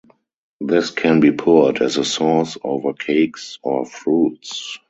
This can be poured as a sauce over cakes or fruits.